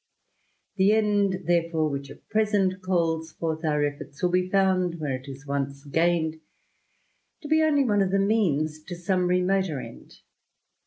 The end therefore which at present calls forth our //eflforts, will be found, when it is once gained, to be only //one of the means to some remoter end.